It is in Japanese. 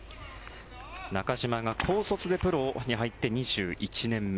中島が高卒でプロに入って２１年目。